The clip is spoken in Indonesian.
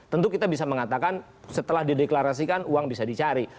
tentu kita bisa mengatakan setelah dideklarasikan uang bisa dicari